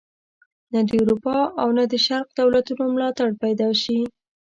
نه د اروپا او نه د شرق دولتونو ملاتړ پیدا شي.